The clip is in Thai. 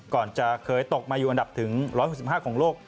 ก่อนจะเคยตกมาอยู่อันดับถึง๑๖๕ของโลก